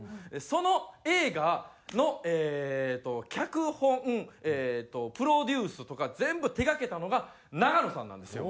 その映画の脚本プロデュースとか全部手がけたのが永野さんなんですよ。